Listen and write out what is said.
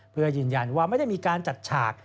เพื่อยืนยันว่าไม่ได้มีการจัดฉาก